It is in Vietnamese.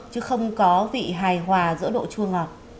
chứ không có vị hài hòa giữa độ chua ngọt